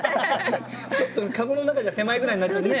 ちょっとかごの中じゃ狭いぐらいになっちゃうよね。